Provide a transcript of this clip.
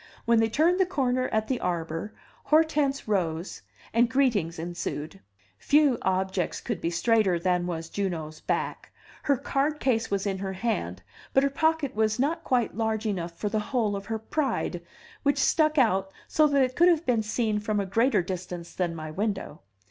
When they turned the corner at the arbor, Hortense rose, and greetings ensued. Few objects could be straighter than was Juno's back; her card case was in her hand, but her pocket was not quite large enough for the whole of her pride, which stuck out so that it could have been seen from a greater distance than my window.